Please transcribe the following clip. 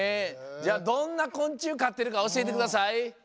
じゃあどんなこんちゅうかってるかおしえてください。